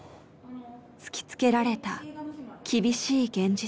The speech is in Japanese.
突きつけられた厳しい現実。